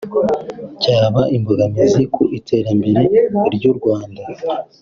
cyaba imbogamizi ku iterambere ry’u Rwanda